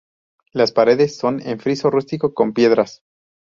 Las paredes son en friso rústico con piedras.